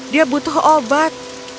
dia butuh obat